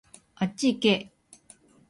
あっちいけ